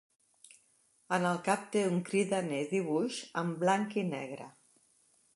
En el cap té un cridaner dibuix en blanc i negre.